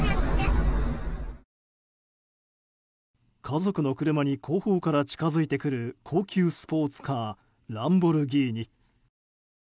家族の車に後方から近づいてくる高級スポーツカーランボルギーニ。